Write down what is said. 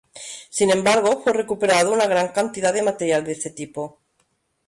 Sin embargo, fue recuperado una gran cantidad de material de este tipo.